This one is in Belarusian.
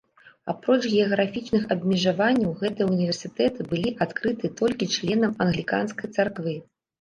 Апроч геаграфічных абмежаванняў гэтыя ўніверсітэты былі адкрыты толькі членам англіканскай царквы.